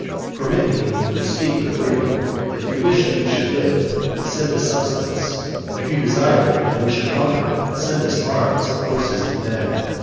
Permit me to speak with freedom: if you wish that we should live, send us subsistence; if you desire that we should conquer, send us arms, horses, and men.